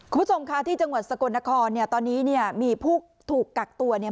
คุณผู้ชมค่ะที่จังหวัดสกลนครเนี่ยตอนนี้เนี่ยมีผู้ถูกกักตัวเนี่ย